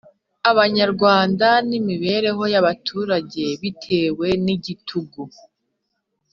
Abanyarwanda n imibereho y abaturage Bitewe n igitugu